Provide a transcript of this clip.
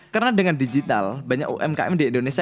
karena dengan digital banyak umkm di indonesia